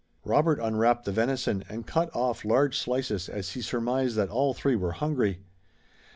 Robert unwrapped the venison and cut off large slices as he surmised that all three were hungry.